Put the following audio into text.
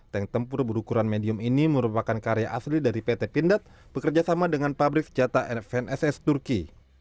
tank tempur berukuran medium ini merupakan karya asli dari pt pindad bekerjasama dengan pabrik sejata fnss turki